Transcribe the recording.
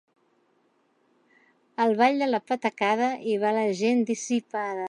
Al ball de la patacada hi va la gent dissipada.